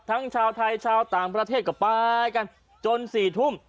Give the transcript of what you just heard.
ชาวไทยชาวต่างประเทศก็ไปกันจน๔ทุ่ม